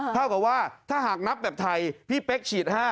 เท่ากับว่าถ้าหากนับแบบไทยพี่เป๊กฉีด๕